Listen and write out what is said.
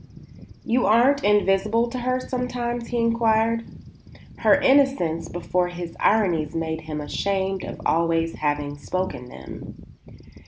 "You aren't invisible to her sometimes?" he inquired. Her innocence before his ironies made him ashamed always of having spoken them.